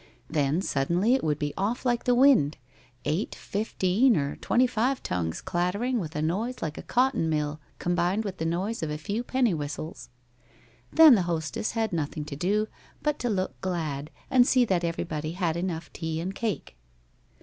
Then suddenly it would be off like the wind, eight, fifteen, or twenty five tongues clattering, with a noise like a cotton mill combined with the noise of a few penny whistles. Then the hostess had nothing to do but to look glad, and see that everybody had enough tea and cake.